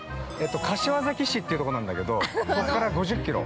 ◆柏崎市っていうとこなんだけど、ここから５０キロ。